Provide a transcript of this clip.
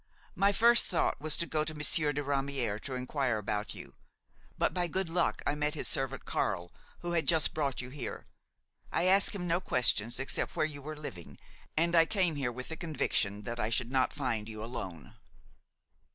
My first thought was to go to Monsieur de Ramière to inquire about you; but by good luck I met his servant Carle, who had just brought you here. I asked him no questions except where you were living, and I came here with the conviction that I should not find you alone."